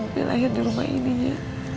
bila akhirnya rumah ini ya